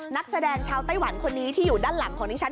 นักแสดงชาวไต้หวันคนนี้ที่อยู่ด้านหลังของดิฉัน